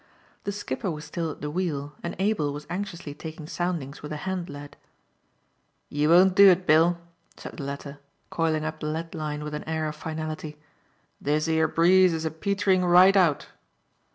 The skipper was still at the wheel and Abel was anxiously taking soundings with a hand lead. "You won't do it, Bill," said the latter, coiling up the lead line with an air of finality, "this 'ere breeze is a petering right out."